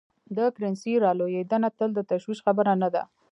د کرنسۍ رالوېدنه تل د تشویش خبره نه ده.